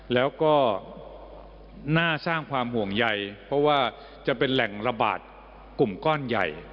แล้วก็น่าสร้างความห่วงใยเพราะว่าจะเป็นแหล่งระบาดกลุ่มก้อนใหญ่